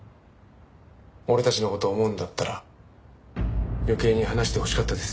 俺たちの事を思うんだったら余計に話してほしかったです。